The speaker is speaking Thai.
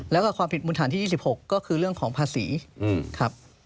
แล้วก็ความผิดมูลฐานที่๒๖ก็คือเรื่องของภาษีครับ